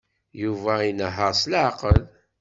Yuba inehheṛ s leɛqel.